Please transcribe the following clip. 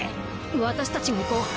私たちが行こう。